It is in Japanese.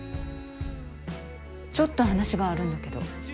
ちょっと話があるんだけど。